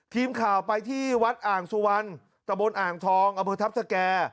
ทีมข่าวไปที่วัดอ่างสุวรรณตะบนอ่างทองอำเภอทัพสแก่